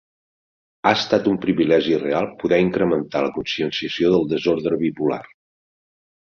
Ha estat un privilegi real poder incrementar la conscienciació del desordre bipolar.